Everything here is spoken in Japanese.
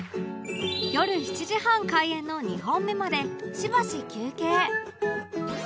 夜７時半開演の２本目までしばし休憩